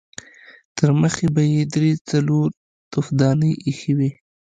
ترمخې به يې درې څلور تفدانۍ اېښې وې.